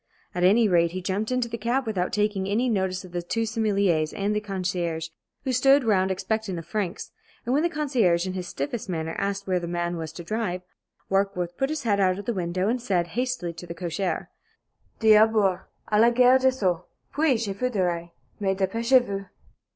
At any rate, he jumped into the cab without taking any notice of the two sommeliers and the concierge who stood round expectant of francs, and when the concierge in his stiffest manner asked where the man was to drive, Warkworth put his head out of the window and said, hastily, to the cocher: "D'abord, à la Gare de Sceaux! Puis, je vous dirai. Mais dépêchez vous!"